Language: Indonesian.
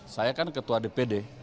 saya kan ketua dpd